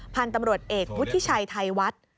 พันธุ์ตำรวจเอกวุฒิชัยไทยวัด